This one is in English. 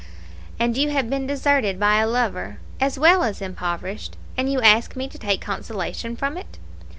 "And you have been deserted by a lover, as well as impoverished; and you ask me to take consolation from it."